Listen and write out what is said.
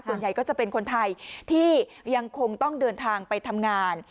ส่วนใหญ่ก็จะเป็นคนไทยที่ยังคงต้องเดินทางไปทำงาน